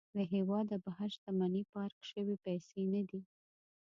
له هېواده بهر شتمني پارک شوې پيسې نه دي.